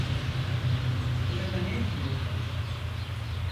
Burada ne yapıyordun?